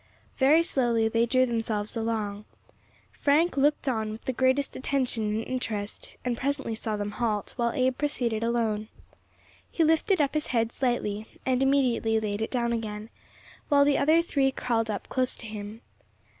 Very slowly they drew themselves along. Frank looked on with the greatest attention and interest, and presently saw them halt, while Abe proceeded alone. He lifted up his head slightly, and immediately laid it down again, while the other three crawled up close to him.